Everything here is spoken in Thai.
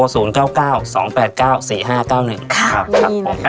ครับมีนะครับครับครับมีนะครับ